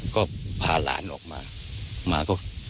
ก็พาหลานออกมา